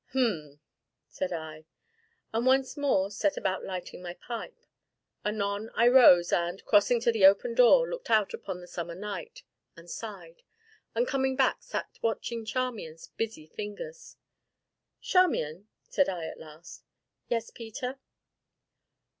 "Hum!" said I, and once more set about lighting my pipe. Anon I rose and, crossing to the open door, looked out upon the summer night, and sighed, and coming back, sat watching Charmian's busy fingers. "Charmian," said I at last. "Yes, Peter?"